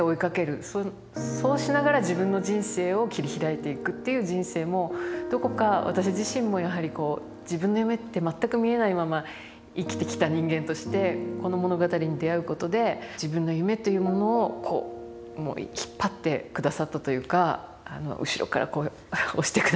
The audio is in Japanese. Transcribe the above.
そうしながら自分の人生を切り開いていくっていう人生もどこか私自身もやはりこう自分の夢って全く見えないまま生きてきた人間としてこの物語に出会うことで自分の夢というものをこう引っ張ってくださったというか後ろからこう押してくださったというか。